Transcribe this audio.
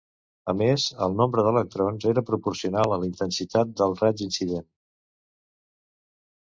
A més, el nombre d'electrons era proporcional a la intensitat del raig incident.